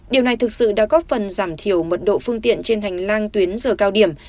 điều này thực sự đã góp phần giảm thiểu mật độ phương tiện trên hành lang tuyến giờ cao điểm